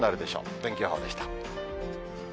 天気予報でした。